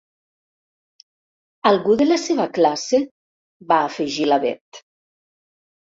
Algú de la seva classe? —va afegir la Bet.